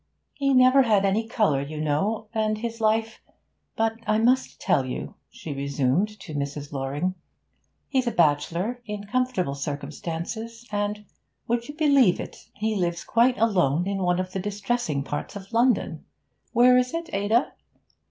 'He never had any colour, you know, and his life... But I must tell you,' she resumed to Mrs. Loring. 'He's a bachelor, in comfortable circumstances, and would you believe it? he lives quite alone in one of the distressing parts of London. Where is it, Ada?'